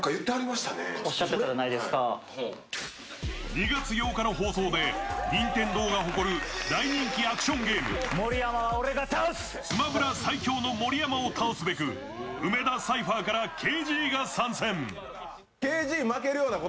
２月８日の放送でニンテンドーが誇る大人気アクションゲーム、「スマブラ」最強の盛山を倒すべく梅田サイファーからＫＺが参戦。